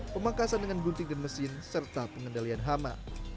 pemangkasan dengan gunting dan mesin serta pengendalian hama